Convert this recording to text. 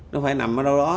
nó phải nằm ở đâu đó